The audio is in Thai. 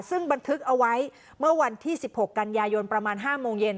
ซึ่งบันทึกเอาไว้เมื่อวันที่๑๖กันยายนประมาณ๕โมงเย็น